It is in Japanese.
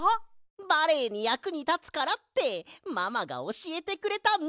バレエにやくにたつからってママがおしえてくれたんだ！